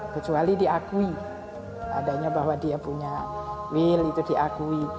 kecuali diakui adanya bahwa dia punya will itu diakui